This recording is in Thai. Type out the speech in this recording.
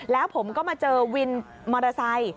แล้วผมก็มาเจอวินมอเตอร์ไซค์